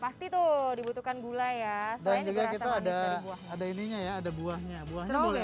pasti tuh dibutuhkan gula ya dan juga kita ada ada ininya ya ada buahnya buahnya boleh